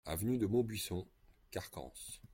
Avenue de Maubuisson, Carcans